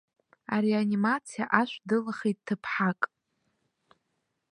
Ареанимациа ашә дылахеит ҭыԥҳак.